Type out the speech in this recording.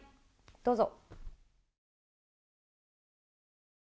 どうぞ。